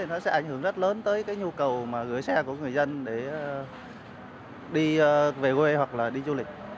nó sẽ ảnh hưởng rất lớn tới cái nhu cầu mà gửi xe của người dân để đi về quê hoặc là đi du lịch